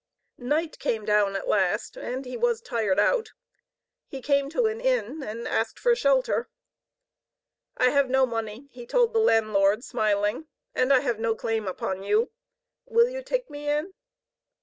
Night came down at last, and he was tired out. He came to an inn and asked for shelter. "I have no money," he told the landlord, smiling, "and I have no claim upon you. Will you take me in?"